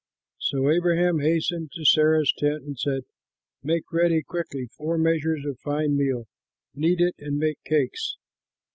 So Abraham hastened to Sarah's tent and said, "Make ready quickly four measures of fine meal, knead it, and make cakes."